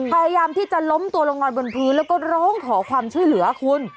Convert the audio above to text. พยายามที่จะล้มตัวลงนอนบนพื้นแล้วก็ร้องขอความช่วยเหลือคุณ